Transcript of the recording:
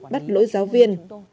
bắt lỗi giáo viên